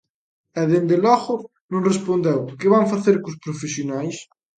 E, dende logo, non respondeu que van facer cos profesionais.